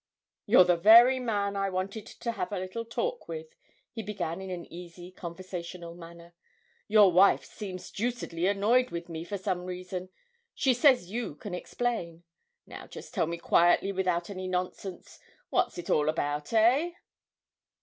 'You're the very man I wanted to have a little talk with!' he began in an easy conversational manner. 'Your wife seems deucedly annoyed with me for some reason she says you can explain. Now, just tell me quietly without any nonsense what's it all about, eh?'